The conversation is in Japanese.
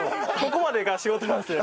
ここまでが仕事なんですよね。